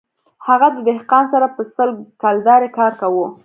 هغه د دهقان سره په سل کلدارې کار کاوه